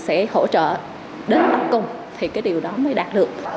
để hỗ trợ đến tất cùng thì cái điều đó mới đạt được